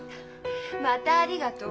また「ありがとう」？